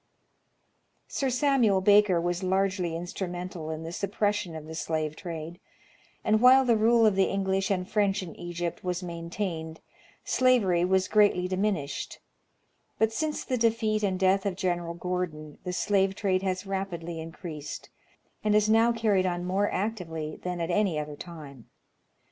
Sir Samuel Baker was largely instrumental in the suppression of the slave trade, and, while the rule of the English and French in Egypt was maintained, slavery was greatly diminished ; but, since the defeat and death of Gen. Gordon, the slave trade has rapidly increased, and is now carried on more actively than at any other time.